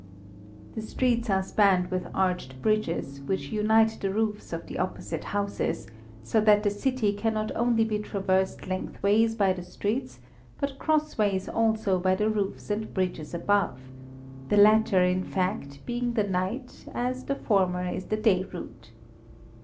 The streets are spanned by arched bridges, which unite the roofs of the opposite houses, so that the city can not only be traversed lengthways by the streets, but crossways also by the roofs and bridges above the latter, in fact, being the night, as the former is the day route.